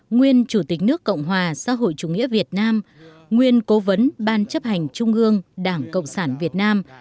nguyên chủ tịch nước cộng hòa xã hội chủ nghĩa việt nam nguyên cố vấn ban chấp hành trung ương đảng cộng sản việt nam